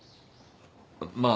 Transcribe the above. まあ。